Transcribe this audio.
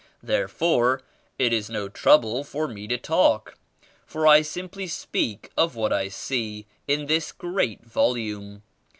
Therefore it is no trouble for me to talk for I simply speak of what I see in this great volume.